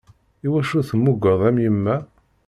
Iwacu temmugeḍ am yemma?